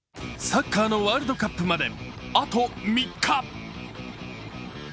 サッカーのワールドカップまであと３日。